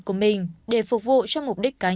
của mình để phục vụ cho mục đích cá nhân